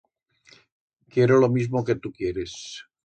Quiero lo mismo que tu quieres.